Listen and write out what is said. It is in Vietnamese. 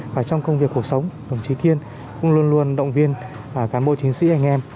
và trong công việc cuộc sống đồng chí kiên cũng luôn luôn động viên cán bộ chiến sĩ anh em